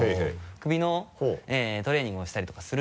首のトレーニングをしたりとかするんです。